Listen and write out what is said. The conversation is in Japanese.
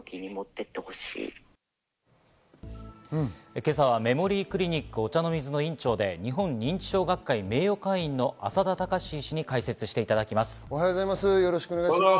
今朝はメモリークリニックお茶の水の院長で日本認知症学会名誉会員の朝田隆医師に解説していただきます。